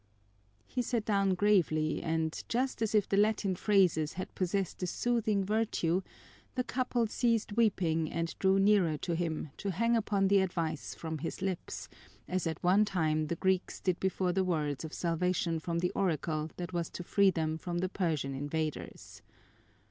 He sat down gravely and, just as if the Latin phrases had possessed a soothing virtue, the couple ceased weeping and drew nearer to him to hang upon the advice from his lips, as at one time the Greeks did before the words of salvation from the oracle that was to free them from the Persian invaders.